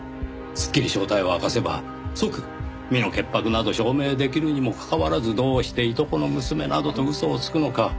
すっきり正体を明かせば即身の潔白など証明できるにもかかわらずどうしていとこの娘などと嘘をつくのか。